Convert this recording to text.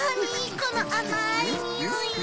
このあまいにおい。